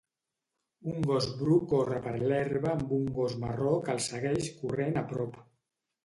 Un gos bru corre per l'herba amb un gos marró que el segueix corrent a prop